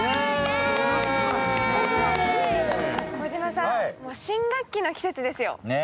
児嶋さん、新学期の季節ですよ。